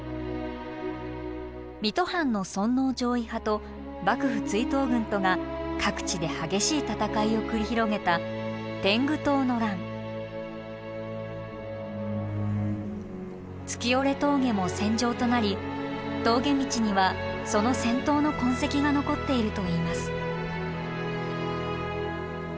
水戸藩の尊王攘夷派と幕府追討軍とが各地で激しい戦いを繰り広げた月居峠も戦場となり峠道にはその戦闘の痕跡が残っているといいます。